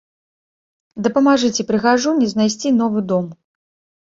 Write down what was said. Дапамажыце прыгажуні знайсці новы дом!